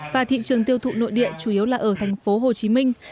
và thị trường tiêu thụ nội địa chủ yếu là ở tp hcm